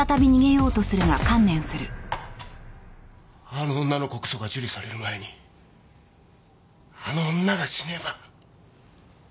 あの女の告訴が受理される前にあの女が死ねば！